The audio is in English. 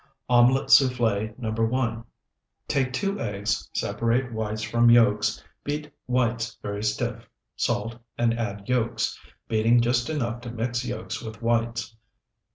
OMELET SOUFFLE NO. 1 Take two eggs, separate whites from yolks, beat whites very stiff, salt, and add yolks, beating just enough to mix yolks with whites.